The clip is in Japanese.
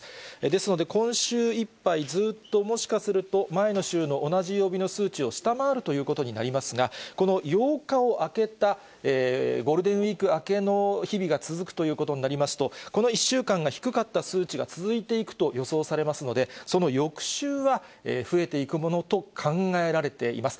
ですので、今週いっぱいずっと、もしかすると前の週の同じ曜日の数値を下回るということになりますが、この８日をあけたゴールデンウィーク明けの日々が続くということになりますと、この１週間が低かった数値が続いていくと予想されますので、その翌週は、増えていくものと考えられています。